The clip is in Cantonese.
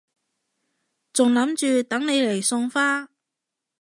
仲諗住等你嚟送花